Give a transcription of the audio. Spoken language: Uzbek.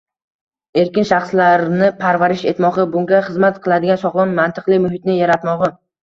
erkin shaxslarni parvarish etmog‘i, bunga xizmat qiladigan sog‘lom mantiqli muhitni yaratmog‘i